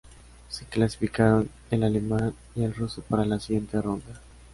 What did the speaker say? Se clasificaron el alemán y el ruso para la siguiente ronda.